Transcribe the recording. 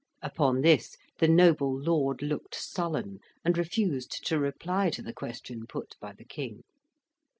Upon this, the noble lord looked sullen, and refused to reply to the question put by the King.